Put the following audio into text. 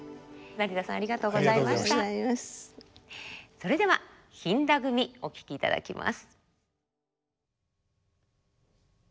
それでは「飛騨組」お聴きいただきます。